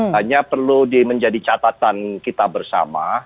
hanya perlu menjadi catatan kita bersama